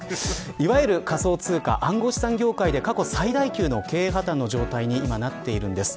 いわゆる仮想通貨暗号資産業界で、過去最大級の経営破綻になっているんです。